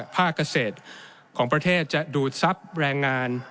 ภาคเกษตรของประเทศจะดูดทรัพย์แรงงาน